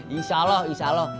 insya allah insya allah